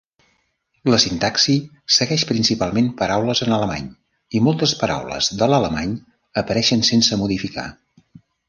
La sintaxi segueix principalment paraules en alemany i moltes paraules de l'alemany apareixen sense modificar.